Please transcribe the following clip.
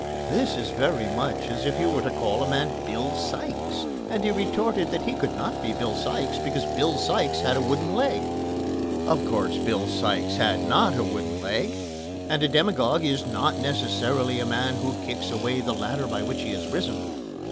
This is very much as if you were to call a man "Bill Sikes," and he retorted that he could not be Bill Sikes because Bill Sikes had a wooden leg. Of course, Bill Sikes had not a wooden leg, and a demagogue is not necessarily a man who kicks away the ladder by which he has risen.